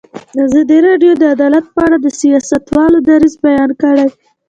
ازادي راډیو د عدالت په اړه د سیاستوالو دریځ بیان کړی.